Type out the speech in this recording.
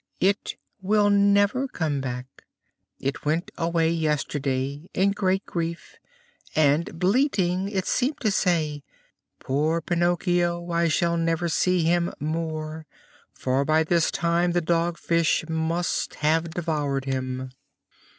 "It will never come back. It went away yesterday in great grief and, bleating, it seemed to say: 'Poor Pinocchio! I shall never see him more, for by this time the Dog Fish must have devoured him!'"